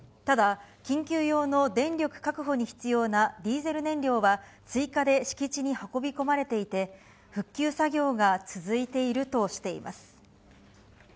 ただ、緊急用の電力確保に必要なディーゼル燃料は、追加で敷地に運び込まれていて、復旧作業が続いているとしています。